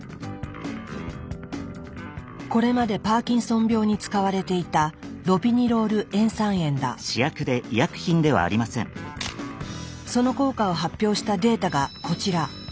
これまでパーキンソン病に使われていたその効果を発表したデータがこちら。